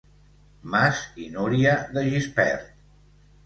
Mas i Núria de Gispert.